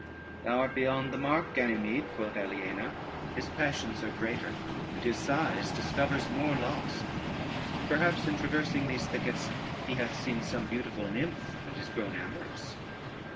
"Thou art beyond the mark, Ganymede," quoth Aliena: "his passions are greater, and his sighs discovers more loss: perhaps in traversing these thickets, he hath seen some beautiful nymph, and is grown amorous."